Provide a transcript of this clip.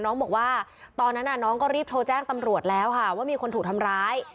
น้องบอกว่าตอนนั้นน้องก็รีบโทรแจ้งตำรวจแล้วค่ะว่ามีคนถูกทำร้าย